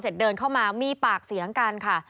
เดินเข้ามามีปากเสียงกันค่ะ